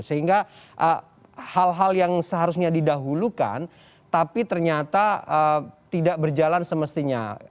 sehingga hal hal yang seharusnya didahulukan tapi ternyata tidak berjalan semestinya